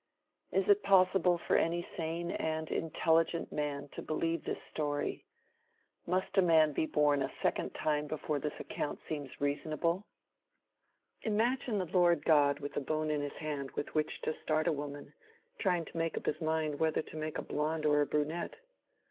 Is it possible for any sane and intelligent man to believe this story? Must a man be born a second time before this account seems reasonable? Imagine the Lord God with a bone in his hand with which to start a woman, trying to make up his mind whether to make a blonde or a brunette!